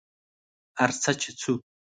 ارڅه چې څو